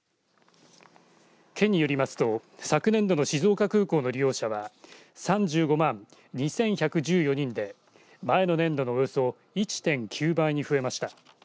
県によりますと昨年度の静岡空港の利用者は３５万２１１４人で前の年度のおよそ１．９倍に増えました。